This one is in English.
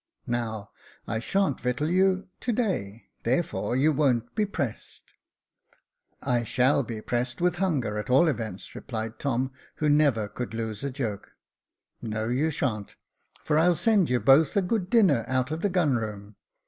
Now I sha'n't vidua/ you to day, therefore you won't be pressed" Jacob Faithful 349 " I shall be pressed with hunger at all events," replied Tom, who never could lose a joke. "No you sha'n't ; for I'll send you both a good dinner out of the gun room.